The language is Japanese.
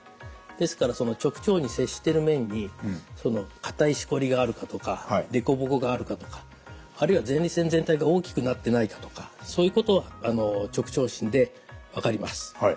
ですからその直腸に接してる面に硬いしこりがあるかとか凸凹があるかとかあるいは前立腺全体が大きくなってないかとかそういうことは直腸診で分かります。